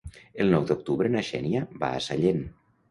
El nou d'octubre na Xènia va a Sallent.